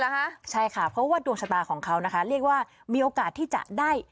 นะคะใช่ค่ะเพราะว่าดวงชะตาของเขานะคะเรียกว่ามีโอกาสที่จะได้